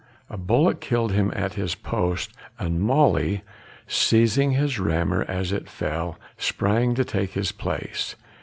A bullet killed him at his post and Molly, seizing his rammer as it fell, sprang to take his place.